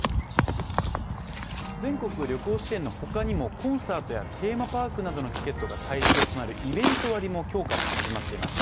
全国旅行支援のほかにも、コンサートやテーマパークなどのチケットが対象となる対象となるイベント割も今日から始まっています。